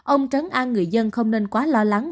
ông trấn an người dân không nên quá lo lắng